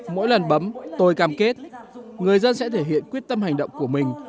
mỗi lần bấm tôi cam kết người dân sẽ thể hiện quyết tâm hành động của mình